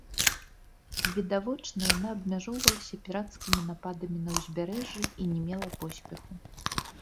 Відавочна, яна абмяжоўвалася пірацкімі нападамі на ўзбярэжжы і не мела поспеху.